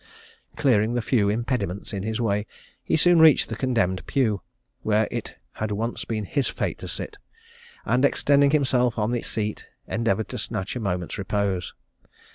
Clearing the few impediments in his way, he soon reached the condemned pew, where it had once been his fate to sit; and extending himself on the seat endeavoured to snatch a moment's repose.